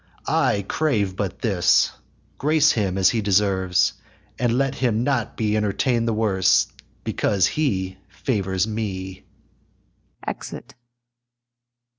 I crave but this, grace him as he deserves, And let him not be entertain'd the worse Because he favours me. [Exit.